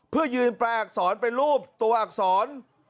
เพื่อยืนแปลอักษรเป็นรูปตัวอักษร